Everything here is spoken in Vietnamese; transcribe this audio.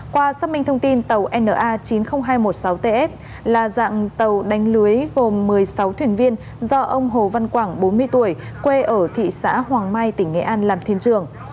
qua xác minh thông tin tàu na chín mươi nghìn hai trăm một mươi sáu ts là dạng tàu đánh lưới gồm một mươi sáu thuyền viên do ông hồ văn quảng bốn mươi tuổi quê ở thị xã hoàng mai tỉnh nghệ an làm thuyền trưởng